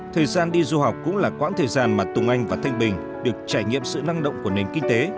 thời gian đi du học cũng là quãng thời gian mà tùng anh và thanh bình được trải nghiệm sự năng động của nền kinh tế